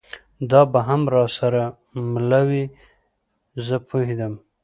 دا به هم را سره مله وي، زه پوهېدم.